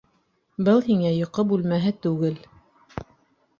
Был һиңә йоҡо бүлмәһе түгел.